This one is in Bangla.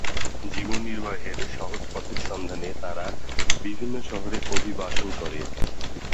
জীবন-নির্বাহের সহজ পথের সন্ধানে তাঁরা বিভিন্ন শহরে অভিবাসন করে।